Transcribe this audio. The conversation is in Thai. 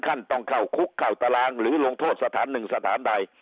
ต้องเข้าคุกเข้าตารางหรือลงโทษสถานหนึ่งสถานใด